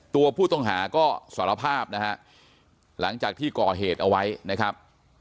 ตัวผู้ต้องหาก็สารภาพนะฮะหลังจากที่ก่อเหตุเอาไว้นะครับ